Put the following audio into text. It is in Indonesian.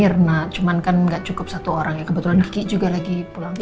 iya di rumah ada mirna cuman kan gak cukup satu orang ya kebetulan ki juga lagi pulang ke rumah